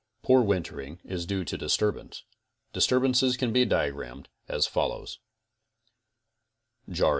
, Poor wintering is due to disturbance. Disturbance can be dia gramed as follows: Jaring.